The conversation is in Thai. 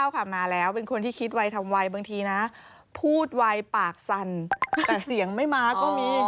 ค่ะมาแล้วเป็นคนที่คิดไวทำไวบางทีนะพูดไวปากสั่นแต่เสียงไม่มาก็มี